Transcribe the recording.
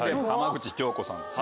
浜口京子さん。